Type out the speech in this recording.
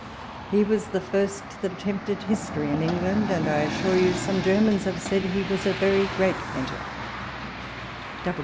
He was the first that attempted history in England, and, I assure you, some Germans have said that he was a very great painter.